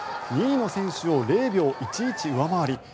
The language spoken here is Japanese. ２位の選手を０秒１１上回り